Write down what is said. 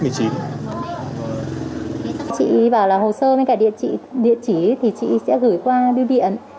chị bảo là hồ sơ với cả địa chỉ thì chị sẽ gửi qua biêu điện